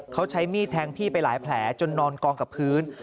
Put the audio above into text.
เขาใช้มีดแทงพี่ไปหลายแผลจนนอนกองกับพื้น